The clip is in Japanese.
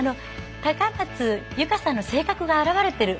高松佑圭さんの性格が表れている。